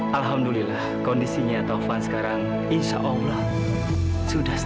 alhamdulillah kondisinya taufan sekarang insya allah sudah stabil